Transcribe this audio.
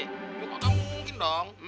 ya kok tak mungkin dong